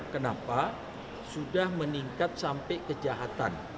kenapa sudah meningkat sampai kejahatan